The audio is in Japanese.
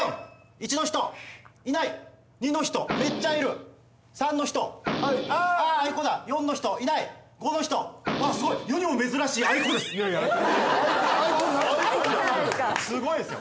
１の人いない２の人めっちゃいる３の人ああいこだ４の人いない５の人あっすごいあいこじゃないですかすごいですよ